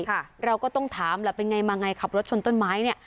เราก็ต้องถามแหละเป็นไงมาไงขับรถชนต้นไม้เนี้ย